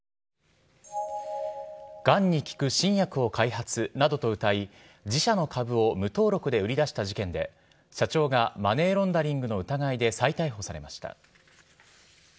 がんに効く新薬を開発などとうたい、自社の株を無登録で売り出した事件で、社長がマネーロンダリングの疑いで再逮捕されました。